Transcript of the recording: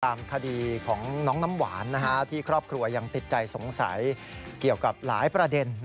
คดีของน้องน้ำหวานที่ครอบครัวยังติดใจสงสัยเกี่ยวกับหลายประเด็น